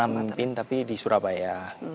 saya pernah memimpin tapi di surabaya